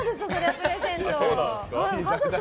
プレゼント。